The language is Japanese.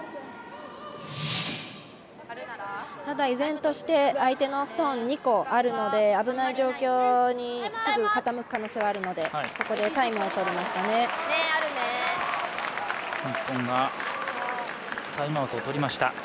依然として相手のストーン２個あるので危ない状況にすぐ傾く可能性はあるのでここでタイムをとりました。